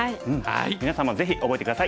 みなさんもぜひ覚えて下さい。